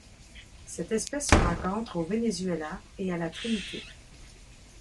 Cette espèce se rencontre au Venezuela et à la Trinité.